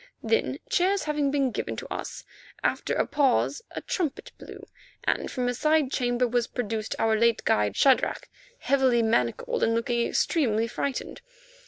Then, chairs having been given to us, after a pause a trumpet blew, and from a side chamber was produced our late guide, Shadrach, heavily manacled and looking extremely frightened.